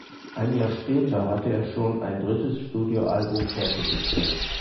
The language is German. Ein Jahr später hatte er schon ein drittes Studioalbum fertiggestellt.